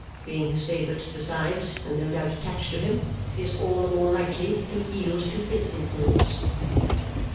Being his favourite, besides, and no doubt attached to him, she is all the more likely to yield to his influence.